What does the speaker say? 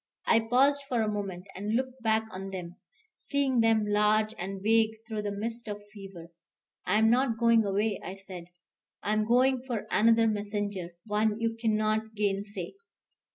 I paused for a moment, and looked back on them, seeing them large and vague through the mist of fever. "I am not going away," I said. "I am going for another messenger, one you can't gainsay."